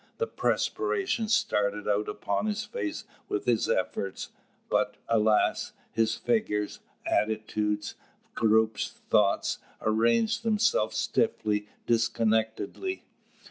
The perspiration started out upon his face with his efforts; but, alas! his figures, attitudes, groups, thoughts, arranged themselves stiffly, disconnectedly.